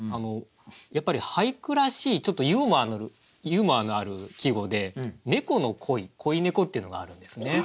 やっぱり俳句らしいちょっとユーモアのある季語で「猫の恋」「恋猫」っていうのがあるんですね。